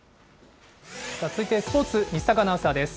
続いてスポーツ、西阪アナウンサーです。